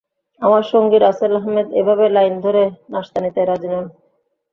আমার সঙ্গী রাসেল আহমেদ এভাবে লাইন ধরে নাশতা নিতে রাজি নন।